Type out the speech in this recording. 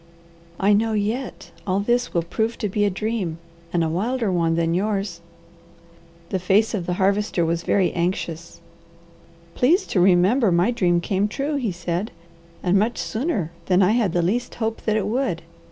I know yet all this will prove to be a dream and a wilder one than yours." The face of the Harvester was very anxious. "Please to remember my dream came true," he said, "and much sooner than I had the least hope that it would.